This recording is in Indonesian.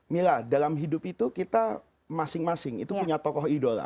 mila dalam hidup itu kita masing masing itu punya tokoh idola